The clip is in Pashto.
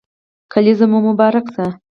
کلېزه مو مبارک شه